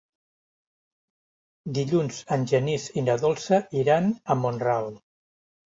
Dilluns en Genís i na Dolça iran a Mont-ral.